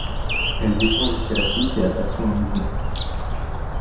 Elle descend jusqu'à la soute et aperçoit un mouvement.